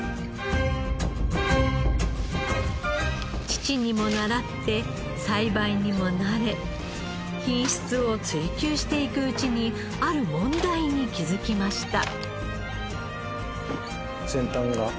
父にも習って栽培にも慣れ品質を追求していくうちにある問題に気づきました。